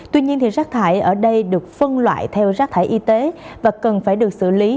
tuy nhiên rác thải ở đây được phân loại theo rác thải y tế và cần phải được xử lý